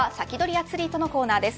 アツリートのコーナーです。